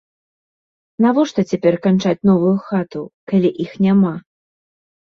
Навошта цяпер канчаць новую хату, калі іх няма.